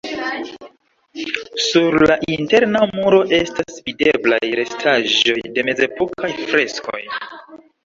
Sur la interna muro estas videblaj restaĵoj de mezepokaj freskoj.